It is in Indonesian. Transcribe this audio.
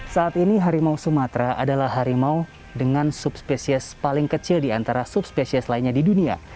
saat ini harimau sumatera adalah harimau dengan subspesies paling kecil di antara subspesies lainnya di dunia